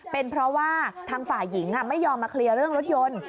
เป็นเพราะว่าทางฝ่ายหญิงไม่ยอมมาเคลียร์เรื่องรถยนต์